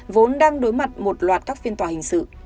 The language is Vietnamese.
vốn đang đối mặt một loạt các phiên tòa hình sự